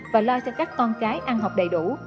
và lo cho các con cái ăn học đầy đủ